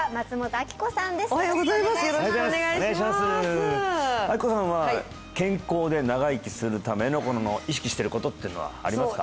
明子さんは健康で長生きするためのこの意識してることっていうのはありますか？